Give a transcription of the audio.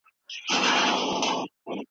ده د ادارو پياوړتيا ته دوام ورکړ.